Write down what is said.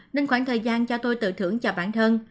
nên khoảng thời gian cho tôi tự thưởng cho bản thân